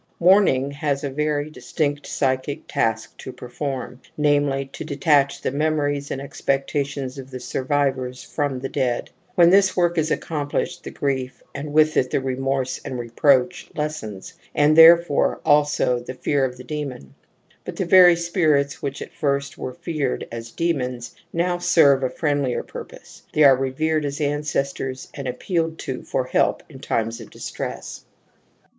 Moiu^ning has a very dis tinct psychic task to perform, namely, to detach the memories and expectations of the survivors from the dead. When this work is accomplished the grief, and with it the remorse and reproach, lessens, and therefore also the fear of the demon. But the very spirits which at first were feared as demons now serve a friendlier purpose ; they are revered as ancestors and appealed to for help in times of distress.